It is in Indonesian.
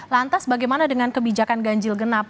lantas bagaimana dengan kebijakan ganjil genap